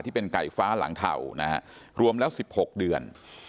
ที่เป็นไก่ฟ้าหลังเถานะฮะรวมแล้วสิบหกเดือน